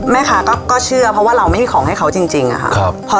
แม่ค้าก็เชื่อเพราะว่าเราไม่มีของให้เขาจริงอะค่ะ